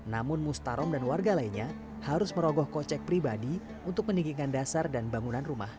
namun mustarom dan warga lainnya harus merogoh kocek pribadi untuk meninggikan dasar dan bangunan rumah